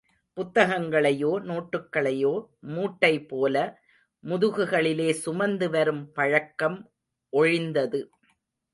புத்தகங்களையோ நோட்டுக்களையோ மூட்டை போல முதுகுகளிலே சுமந்து வரும் பழக்கம் ஒழிந்தது.